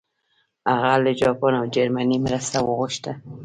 هغه له جاپان او جرمني مرسته وغوښته.